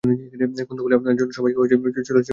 কুন্দ বলে, আপনার জন সবাইকে ফেলে চলে যাওয়া কি ভালো শশীদাদা?